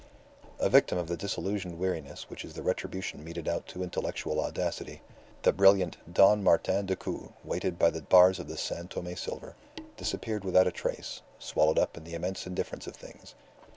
A victim of the disillusioned weariness which is the retribution meted out to intellectual audacity, the brilliant Don Martin Decoud, weighted by the bars of San Tome silver, disappeared without a trace, swallowed up in the immense indifference of things.